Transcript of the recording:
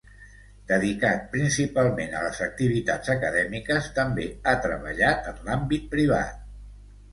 Dedicat principalment a les activitats acadèmiques, també ha treballat en l'àmbit privat.